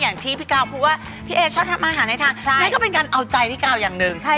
อย่างที่พี่เก้าอยากทำมาหาให้ทำนั่นก็เป็นการเอาใจพี่เก้าอย่างนึง